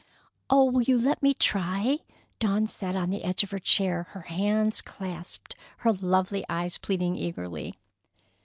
"Oh, will you let me try?" Dawn sat on the edge of her chair, her hands clasped, her lovely eyes pleading eagerly.